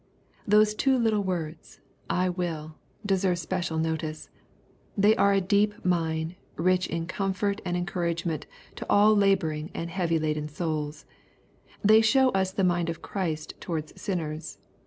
Those two little words, "I will," deserve special notice. They are a deep mine, rich in comfort and en couragement to all laboring and heavy laden souls. They show us the mind of Christ towards sinners.